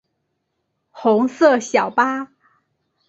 红色小巴